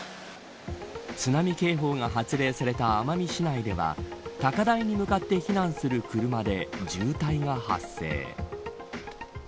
津波警報が発令された奄美市内では高台に向かって避難する車で渋滞が発生。